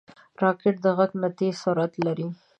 راکټ د غږ نه تېز سرعت لري